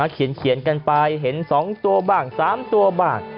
เขียนกันไปเห็น๒ตัวบ้าง๓ตัวบ้าง